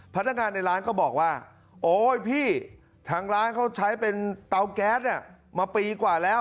พนักงานในร้านก็บอกว่าโอ๊ยพี่ทางร้านเขาใช้เป็นเตาแก๊สเนี่ยมาปีกว่าแล้ว